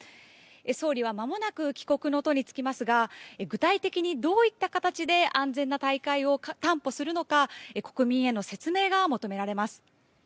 総理はまもなく帰国の途に就きますが具体的にどういった形で安全な大会を担保するのか国民への説明が求められます。